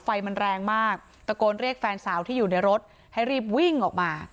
ไฟมันแรงมากตะโกนเรียกแฟนสาวที่อยู่ในรถให้รีบวิ่งออกมา